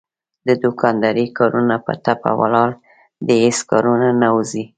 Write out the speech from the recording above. د دوکاندارۍ کارونه په ټپه ولاړ دي هېڅ کارونه نه وځي.